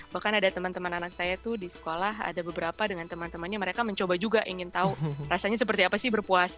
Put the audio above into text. bahkan ada teman teman anak saya tuh di sekolah ada beberapa dengan teman temannya mereka mencoba juga ingin tahu rasanya seperti apa sih berpuasa